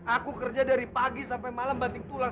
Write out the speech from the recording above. aku kerja dari pagi sampai malam banting tulang